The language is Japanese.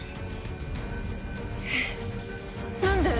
えっ何で？